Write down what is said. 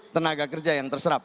tenaga kerja yang terserap